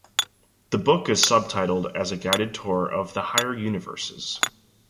The book is subtitled as a guided tour of the higher universes.